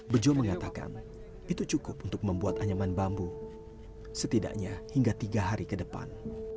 bejo mengatakan itu cukup untuk membuat anyaman bambu setidaknya hingga tiga hari ke depan